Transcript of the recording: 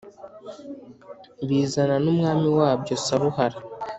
bizana n’umwami wabyo Saruhara.